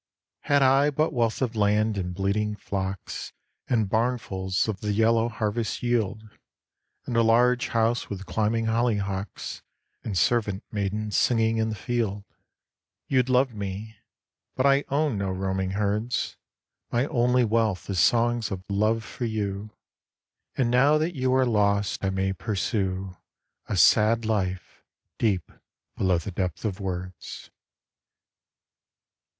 Had I but wealth of land and bleating flocks And barnfuls of the yellow harvest yield, And a large house with climbing hollyhocks And servant maidens singing in the field, 97 98 A SONG You'd love me ; but I own no roaming herds, My only wealth is songs of love for you, And now that you are lost I may pursue A sad life deep below the depth of words.